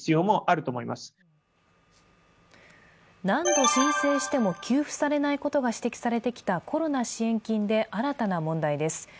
何度申請しても給付されないことが指摘されてきたコロナ支援金で新たな問題です。